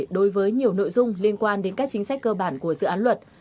đối với nhiều nội dung liên quan đến các chính sách cơ bản của dự án luật